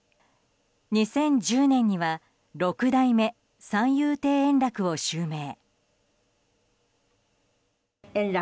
２０１０年には六代目三遊亭円楽を襲名。